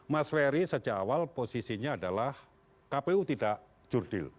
mas ferry sejak awal posisinya adalah kpu tidak jurdil